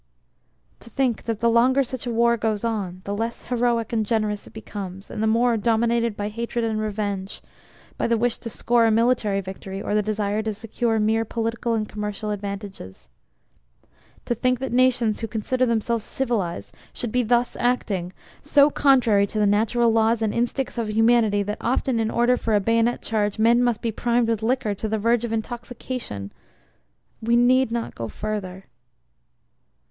To think that the longer such a war goes on, the less heroic and generous it becomes, and the more dominated by hatred and revenge by the wish to score a military victory or the desire to secure mere political and commercial advantages. To think that nations who consider themselves civilized should be thus acting: so contrary to the natural laws and instincts of humanity that often in order for a bayonet charge men must be primed with liquor to the verge of intoxication . We need not go further.